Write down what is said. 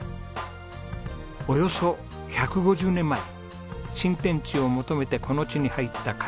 およそ１５０年前新天地を求めてこの地に入った開拓移民。